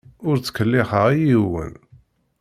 Ur ttkellixeɣ i yiwen.